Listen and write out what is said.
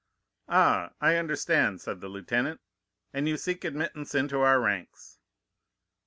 "'Ah, I understand,' said the lieutenant; 'and you seek admittance into our ranks?